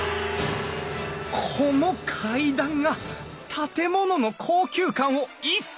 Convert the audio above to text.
この階段が建物の高級感を一層高めている。